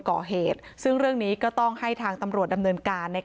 ก่อเหตุซึ่งเรื่องนี้ก็ต้องให้ทางตำรวจดำเนินการใน